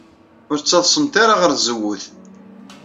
Ur ttadsemt ara ɣer tzewwut.